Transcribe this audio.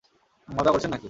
মজা করছেন না-কি?